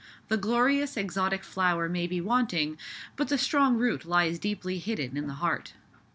The glorious exotic flower may be wanting, but the strong root lies deeply hidden in the heart.